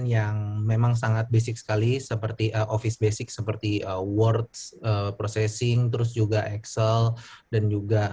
yang memang sangat basic sekali seperti office basic seperti world processing terus juga excel dan juga